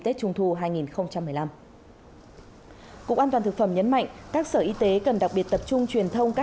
tết trung thu hai nghìn một mươi năm cục an toàn thực phẩm nhấn mạnh các sở y tế cần đặc biệt tập trung truyền thông các